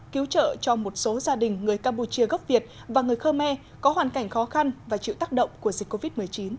cứu trợ cho một số gia đình người campuchia gốc việt và người khơ me có hoàn cảnh khó khăn và chịu tác động của dịch covid một mươi chín